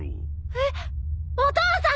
えっお父さん！